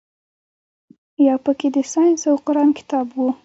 يو پکښې د ساينس او قران کتاب و.